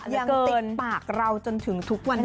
ยังติดปากเราจนถึงทุกวันนี้